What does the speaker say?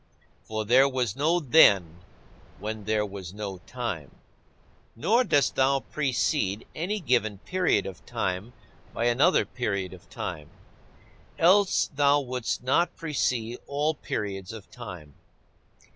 For there was no "then" when there was no time. 16. Nor dost thou precede any given period of time by another period of time. Else thou wouldst not precede all periods of time.